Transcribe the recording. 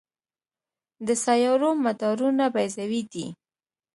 د سیارو مدارونه بیضوي دي.